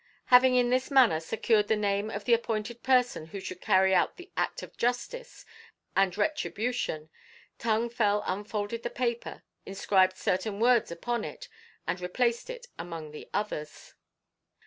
Having in this manner secured the name of the appointed person who should carry out the act of justice and retribution, Tung Fel unfolded the paper, inscribed certain words upon it, and replaced it among the others.